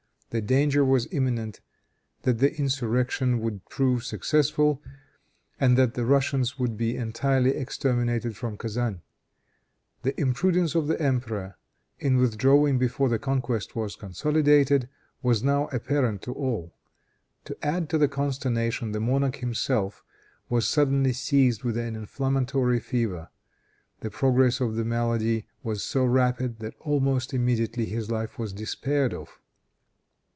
The danger was imminent that the insurrection would prove successful, and that the Russians would be entirely exterminated from Kezan. The imprudence of the emperor, in withdrawing before the conquest was consolidated, was now apparent to all. To add to the consternation the monarch himself was suddenly seized with an inflammatory fever; the progress of the malady was so rapid that almost immediately his life was despaired of.